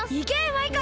マイカ！